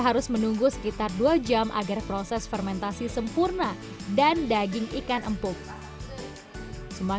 jadi ini hidangan spesial ya inang ya